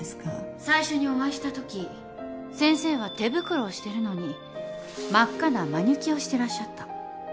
最初にお会いしたとき先生は手袋をしてるのに真っ赤なマニキュアをしてらっしゃった。